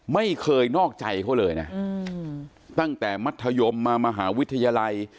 ไม่เคยนอกใจเขาเลยนะตั้งแต่มัธยมมามหาวิทยาลัย